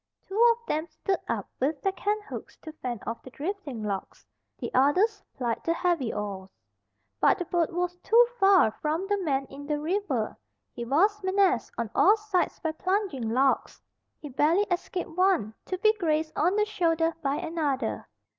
Two of them stood up with their canthooks to fend off the drifting logs; the others plied the heavy oars. But the boat was too far from the man in the river. He was menaced on all sides by plunging logs. He barely escaped one to be grazed on the shoulder by another.